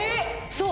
そう！